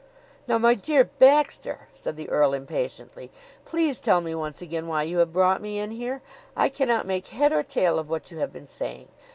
"Now, my dear Baxter," said the earl impatiently, "please tell me once again why you have brought me in here. I cannot make head or tail of what you have been saying.